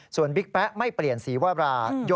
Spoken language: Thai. ส่วนบิ๊กแป๊ะไม่เปลี่ยนศรีวรา